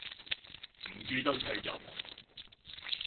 唔記得踢人